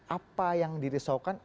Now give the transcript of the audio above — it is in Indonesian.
apa yang dirisaukan